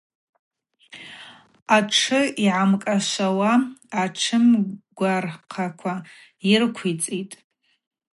Атшы йгӏакӏашвауа атшымгвархъаква йрыквицитӏ.